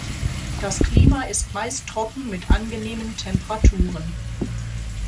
Das Klima ist meist trocken mit angenehmen Temperaturen.